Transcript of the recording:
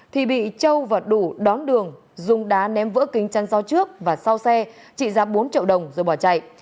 thì bị châu và đủ đón đường dùng đá ném vỡ kính chăn do trước và sau xe trị giá bốn triệu đồng rồi bỏ chạy